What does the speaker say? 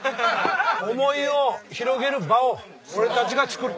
思いを広げる場を俺たちが作っとけばいい。